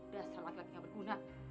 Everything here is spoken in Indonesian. biasa laki laki gak berguna